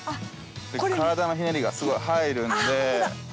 体のひねりが、すごい入るんで。